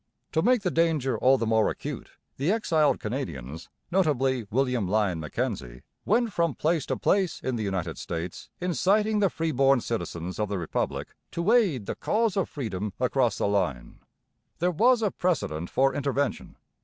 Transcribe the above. To make the danger all the more acute, the exiled Canadians, notably William Lyon Mackenzie, went from place to place in the United States inciting the freeborn citizens of the Republic to aid the cause of freedom across the line. There was precedent for intervention.